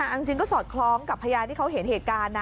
เอาจริงก็สอดคล้องกับพยานที่เขาเห็นเหตุการณ์นะ